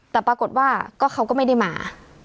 แต่ปรากฏว่าเขาก็ไม่ได้มา